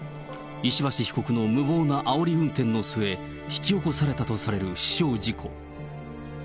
石橋被告の無謀なあおり運転の末、引き起こされたとされる死傷事故。